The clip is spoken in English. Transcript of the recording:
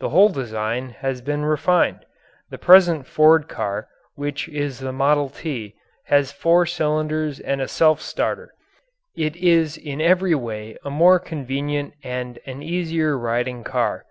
The whole design has been refined; the present Ford car, which is the "Model T," has four cylinders and a self starter it is in every way a more convenient and an easier riding car.